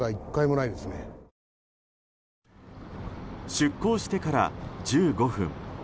出港してから１５分。